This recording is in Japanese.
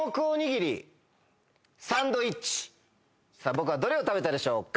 僕はどれを食べたでしょうか？